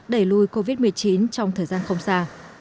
với covid một mươi chín trong thời gian không xa